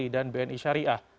dan bni syariah